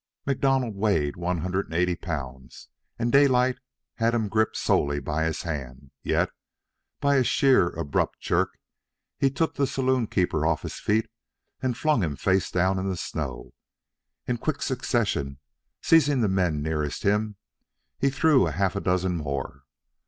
MacDonald weighed one hundred and eighty pounds, and Daylight had him gripped solely by his hand; yet, by a sheer abrupt jerk, he took the saloon keeper off his feet and flung him face downward in the snow. In quick succession, seizing the men nearest him, he threw half a dozen more.